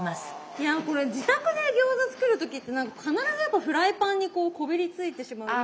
いやこれ自宅で餃子作る時って何か必ずやっぱフライパンにこうこびりついてしまうイメージが。